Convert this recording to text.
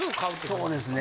そうですね。